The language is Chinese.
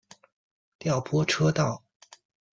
调拨车道。